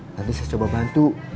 nanti saya coba bantu